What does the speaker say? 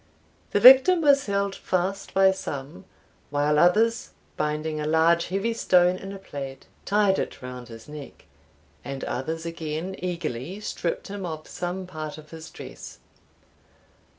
The victim was held fast by some, while others, binding a large heavy stone in a plaid, tied it round his neck, and others again eagerly stripped him of some part of his dress.